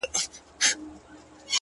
زه چي الله څخه ښكلا په سجده كي غواړم’